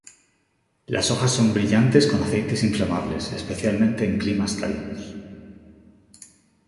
Las hojas son brillantes con aceites inflamables, especialmente en climas cálidos.